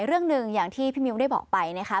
เรื่องหนึ่งอย่างที่พี่มิวได้บอกไปนะคะ